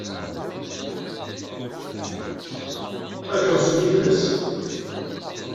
Ad ḥewwsen yid-s?